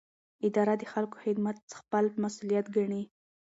اداره د خلکو خدمت خپل مسوولیت ګڼي.